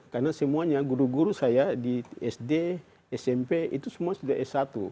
karena semuanya guru guru saya di sd smp itu semua sudah s satu